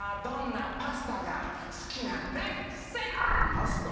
パスタ？